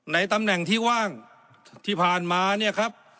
ตำแหน่งที่ว่างที่ผ่านมาเนี่ยครับ